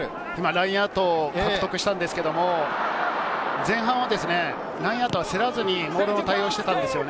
ラインアウトを獲得したんですけれど、前半は、ラインアウトは競らずにモールで対応していました。